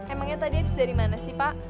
emangnya tadi habis dari mana sih pak